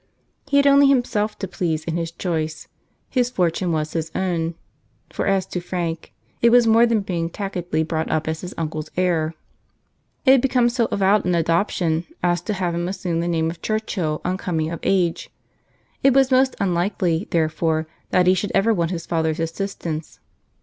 He had only himself to please in his choice: his fortune was his own; for as to Frank, it was more than being tacitly brought up as his uncle's heir, it had become so avowed an adoption as to have him assume the name of Churchill on coming of age. It was most unlikely, therefore, that he should ever want his father's assistance.